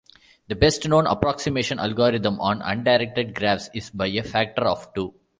The best known approximation algorithm on undirected graphs is by a factor of two.